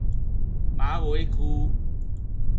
馬尾區